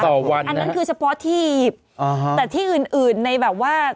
ต่อวันนะคะอันนั้นคือเฉพาะที่อียิปต์แต่ที่อื่นในแบบว่า